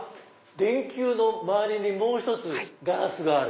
電球の周りにもう１つガラスがある。